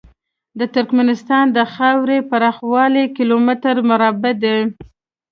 د ترکمنستان د خاورې پراخوالی کیلو متره مربع دی.